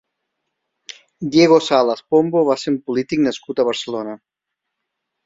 Diego Salas Pombo va ser un polític nascut a Barcelona.